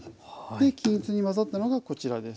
均一に混ざったのがこちらです。